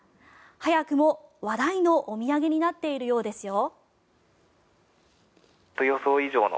早くも話題のお土産になっているようですよ。